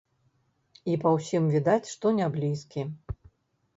І па ўсім відаць, што няблізкі.